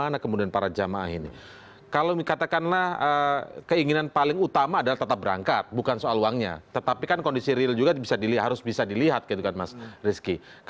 nanti ini bisa diberangkatkan atau tidak